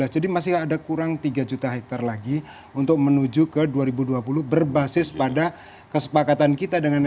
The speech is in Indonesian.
jadi masih ada kurang tiga juta hektare lagi untuk menuju ke dua ribu dua puluh berbasis pada kesepakatan kita dengan scbd